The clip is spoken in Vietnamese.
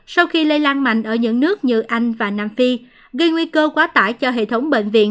sau khi lây lan mạnh ở những nước như anh và nam phi gây nguy cơ quá tải cho hệ thống bệnh viện